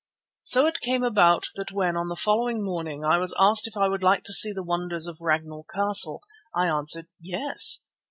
So it came about that when, on the following morning, I was asked if I would like to see the wonders of Ragnall Castle, I answered "Yes."